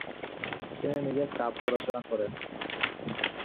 তিনি নিজের কাব্য রচনা করেন।